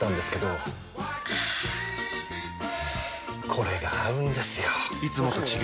これが合うんですよ！